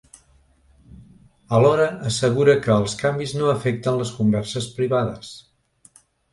Alhora assegura que els canvis no afecten les converses privades.